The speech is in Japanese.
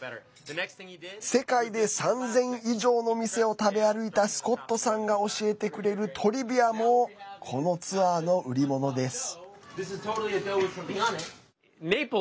世界で３０００以上の店を食べ歩いたスコットさんが教えてくれるトリビアもこのツアーの売り物です。